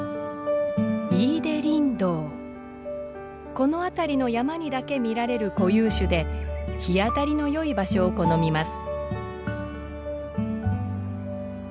この辺りの山にだけ見られる固有種で日当たりのよい場所を好みます。